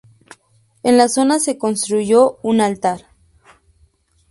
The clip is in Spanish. En la zona se construyó un altar.